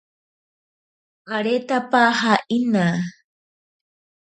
Aretapaja inaa.